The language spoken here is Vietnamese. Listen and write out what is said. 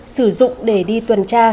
sử dụng để đi tuần tra